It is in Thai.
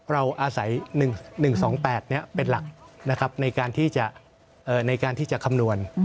เราอาศัย๑๒๘เป็นหลักนะครับในการที่จะคำนวณ